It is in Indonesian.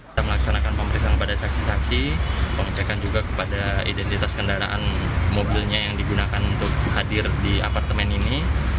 kita melaksanakan pemeriksaan pada saksi saksi pengecekan juga kepada identitas kendaraan mobilnya yang digunakan untuk hadir di apartemen ini